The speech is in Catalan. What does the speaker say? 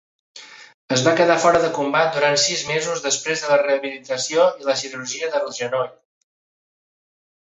Es va quedar fora de combat durant sis mesos després de la rehabilitació i la cirurgia del genoll.